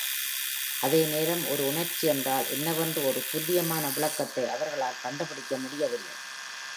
அதே நேரம், ஒரு உணர்ச்சி என்றால் என்னவென்று ஒரு துல்லியமான விளக்கத்தை அவர்களால் கண்டுபிடிக்க முடியவில்லை.